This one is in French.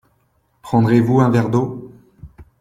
Prendrez-vous un verre d'eau.